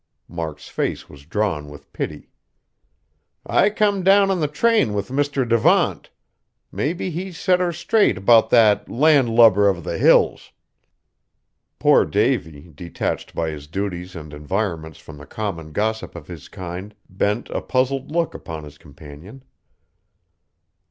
Mark's face was drawn with pity. "I come down on the train with Mr. Devant. Maybe he's set her straight 'bout that Land lubber of the Hills!" Poor Davy, detached by his duties and environments from the common gossip of his kind, bent a puzzled look upon his companion.